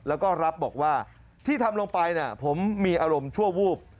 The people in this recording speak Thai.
แล้วก็รับบอกว่าที่ทำลงไปผมมีอารมณ์ชั่ววูบ